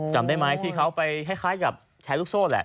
จำได้ไหมที่เขาไปคล้ายกับแชร์ลูกโซ่แหละ